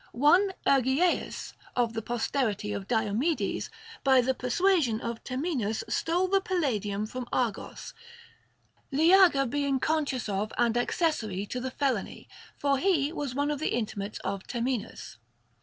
One Ergiaeus, of the posterity of Diomedes. 288 THE GREEK QUESTIONS. by the persuasion of Temenus stole the Palladium from Argos, Leager being conscious of and accessory to the felony, for he was one of the intimates of Temenus.